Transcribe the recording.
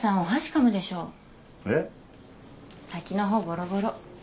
先の方ボロボロ。